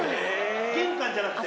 玄関じゃなくて？